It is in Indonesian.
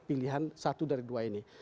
pilihan satu dari dua ini